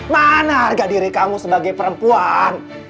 mana harga diri kamu sebagai perempuan